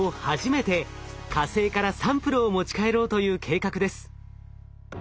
初めて火星からサンプルを持ち帰ろうという計画です。